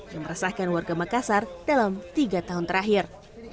yang meresahkan warga makassar dalam tiga tahun terakhir